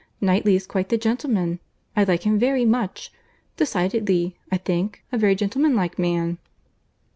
Knightley is quite the gentleman. I like him very much. Decidedly, I think, a very gentleman like man."